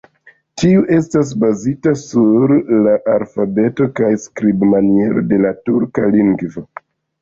Tiu estas bazita sur la alfabeto kaj skribmaniero de la turka lingvo.